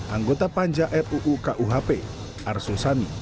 anggota panja ruu kuhp arsul sani